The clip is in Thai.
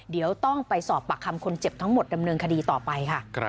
เดี๋ยวต้องไปสอบปากคำคนเจ็บทั้งหมดดำเนินคดีต่อไปค่ะ